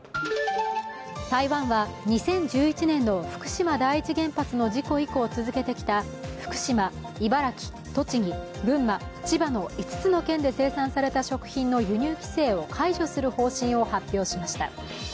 台湾は２０１１年の福島第一原発の事故以降続けてきた福島、茨城、栃木、群馬、千葉の５つの県で生産された食品の輸入規制を解除する方針を発表しました。